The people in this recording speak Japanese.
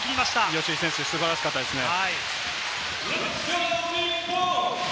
吉井選手、素晴らしかったですね。